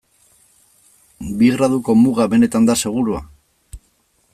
Bi graduko muga benetan da segurua?